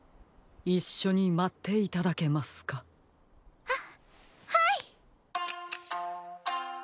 いっしょにまっていただけますか？ははい。